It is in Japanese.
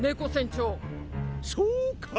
そうか！